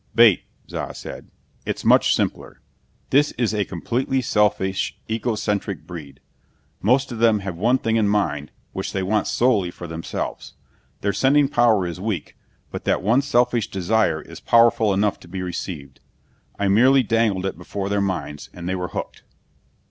"Bait," Za said. "It's much simpler. This is a completely selfish, egocentric breed. Most of them have one thing in mind which they want solely for themselves. Their sending power is weak, but that one selfish desire is powerful enough to be received. I merely dangled it before their minds, and they were hooked."